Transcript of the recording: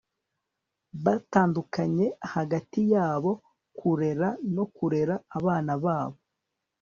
batandukanye hagati yabo kurera no kurera abana babo